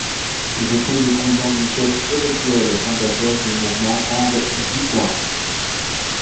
Il était le cousin du chef spirituel et fondateur du mouvement, Hong Xiuquan.